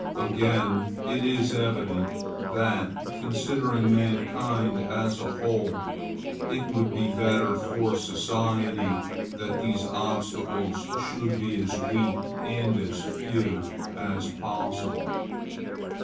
Again it is evident, that, considering mankind as a whole, it would be better for society that these obstacles should be as weak and as few as possible.